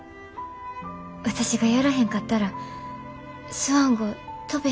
私がやらへんかったらスワン号飛ベへん。